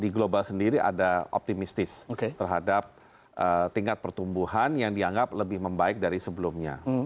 di global sendiri ada optimistis terhadap tingkat pertumbuhan yang dianggap lebih membaik dari sebelumnya